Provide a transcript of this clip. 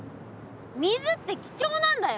水って貴重なんだよ。